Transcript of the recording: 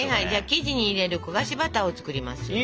生地に入れる焦がしバターを作りますよ。